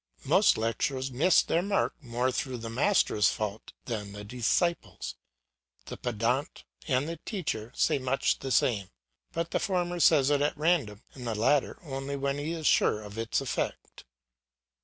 Most lectures miss their mark more through the master's fault than the disciple's. The pedant and the teacher say much the same; but the former says it at random, and the latter only when he is sure of its effect.